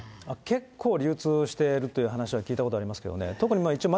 結構、流通してるという話は聞いたことありますけどね。